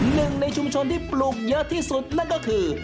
หนึ่งในชุมชนที่ปลูกเยอะที่สุดนั่นก็คือ